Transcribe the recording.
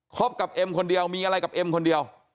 บกับเอ็มคนเดียวมีอะไรกับเอ็มคนเดียว